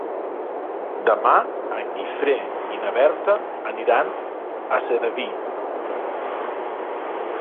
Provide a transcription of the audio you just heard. Demà en Guifré i na Berta aniran a Sedaví.